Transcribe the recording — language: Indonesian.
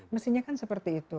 mestinya kan seperti itu